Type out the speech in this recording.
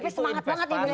ini bdip semangat banget nih